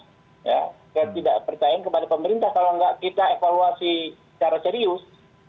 saya tidak percaya kepada pemerintah kalau tidak kita evaluasi secara serius